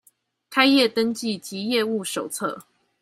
開業登記及業務手冊